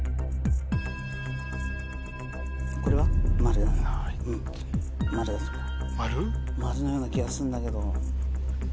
これは？「○」？「○」？「○」のような気がするんだけど。